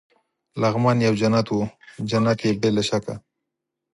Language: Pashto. لغمان یو جنت وو، جنت يې بې له شکه.